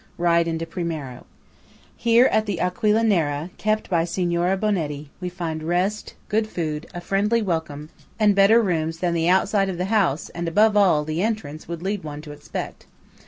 ride into Primiero. Here at the "Aquila Nera," kept by Signora Bonetti, we find rest, good food, a friendly welcome, and better rooms than the outside of the house, and, above all, the entrance, would lead one to expect.